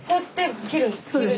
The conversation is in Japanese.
切る。